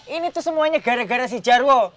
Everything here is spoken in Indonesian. ini tuh semuanya gara gara si jarwo